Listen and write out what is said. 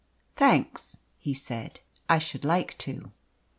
"Thanks," he said, "I should like to."